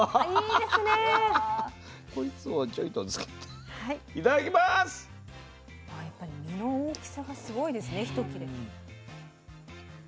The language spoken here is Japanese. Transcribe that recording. やっぱり身の大きさがすごいですね一切れ。